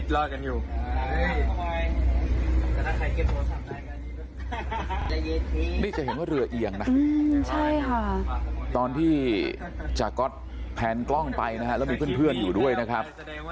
แล้วมีเพื่อนอยู่ด้วยนะครับ